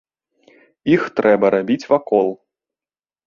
Іх трэба рабіць вакол.